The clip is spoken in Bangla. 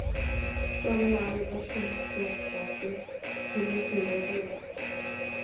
তবে আসবার সময় যেন কাউকে ঠেলে ফেলে দিও না।